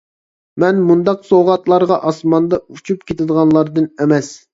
مەن مۇنداق سوۋغاتلارغا ئاسماندا ئۇچۇپ كېتىدىغانلاردىن ئەمەس.